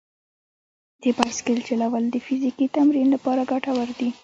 د بایسکل چلول د فزیکي تمرین لپاره ګټور دي.